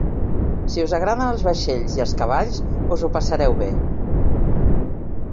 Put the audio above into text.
Si us agraden els vaixells i els cavalls, us ho passareu bé.